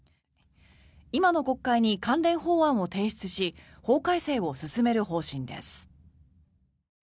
今の国会に関連法案を提出し法改正を進める方針です。